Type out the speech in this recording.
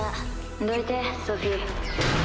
どいてソフィ。